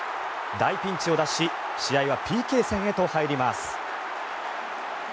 大ピンチを脱し試合はＰＫ戦へと入ります。